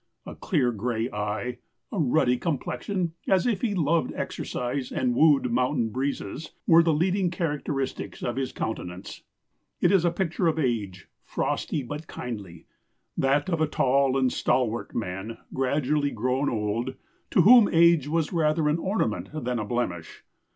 A clear gray eye, a ruddy complexion, as if he loved exercise and wooed mountain breezes, were the leading characteristics of his countenance. It is a picture of age, 'frosty but kindly,' that of a tall and stalwart man gradually grown old, to whom age was rather an ornament than a blemish.